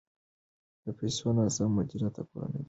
د پیسو ناسم مدیریت د کورنۍ دښمن دی.